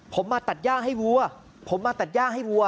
ผมมาตัดย่างให้วัวผมมาตัดย่าให้วัว